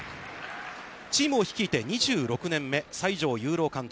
チームを率いて２６年目、西條裕朗監督。